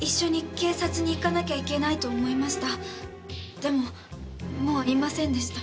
でももういませんでした。